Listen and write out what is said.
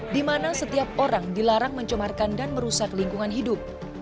di mana setiap orang dilarang mencemarkan dan merusak lingkungan hidup